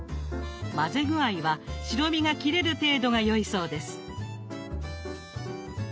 混ぜ具合は白身が切れる程度が良いそうです。